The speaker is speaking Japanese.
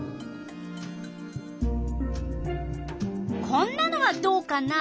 こんなのはどうかな。